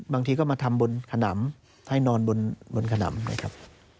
บางทีก็มาทำบนขนำให้นอนบนขนำนะครับ